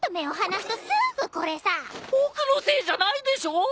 僕のせいじゃないでしょ！？